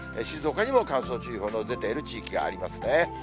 静岡にも乾燥注意報の出ている地域がありますね。